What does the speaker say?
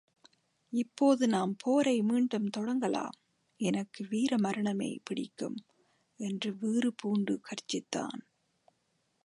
இப்போது நாம் போரை மீண்டும் தொடங்கலாம்... எனக்கு வீர மரணமே பிடிக்கும்! என்று வீறு பூண்டு கர்ஜித்தான்.